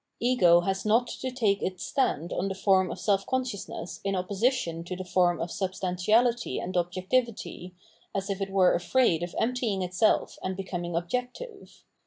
Ego has not to take its stand on the form of self consciousness in opposition to the form of substantiality and objectivity, as if it were afraid of emptying itself and becoming objective.